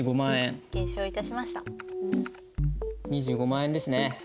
２５万円ですね。